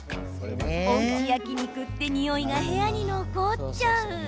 おうち焼き肉ってにおいが部屋に残っちゃう。